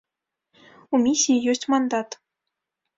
У місіі ёсць мандат.